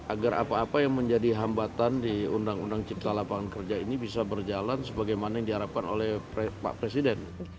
agar apa apa yang menjadi hambatan di undang undang cipta lapangan kerja ini bisa berjalan sebagaimana yang diharapkan oleh pak presiden